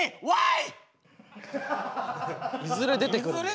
いずれ出てくる。